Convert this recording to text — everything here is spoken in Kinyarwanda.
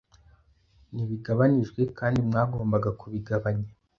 ntibigabanijwe kandi mwagombaga kubigabanya